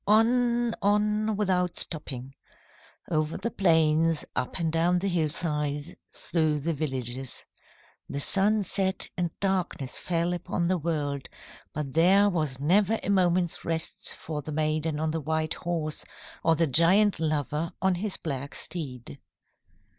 On, on, without stopping. Over the plains, up and down the hillsides, through the villages. The sun set and darkness fell upon the world, but there was never a moment's rest for the maiden on the white horse or the giant lover on his black steed.